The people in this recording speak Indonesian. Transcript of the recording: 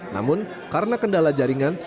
namun karena kendala jaringan